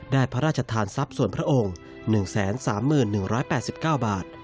พระราชทานทรัพย์ส่วนพระองค์๑๓๑๘๙บาท